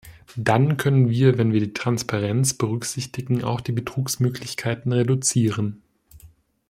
Dann können wir, wenn wir die Transparenz berücksichtigen, auch die Betrugsmöglichkeiten reduzieren.